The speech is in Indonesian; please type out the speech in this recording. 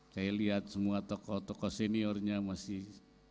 saya lihat semua tokoh tokoh seniornya masih